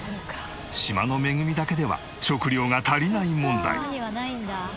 島の恵みだけでは食料が足りない問題。